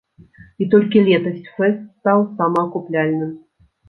І толькі летась фэст стаў самаакупляльным.